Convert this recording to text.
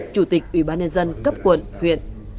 chủ tịch ủy ban nhân dân cấp quận huyện